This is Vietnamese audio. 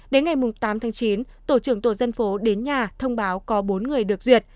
đến ngày tám tháng chín tổ trưởng tổ dân phố đến nhà thông báo có bốn người được duyệt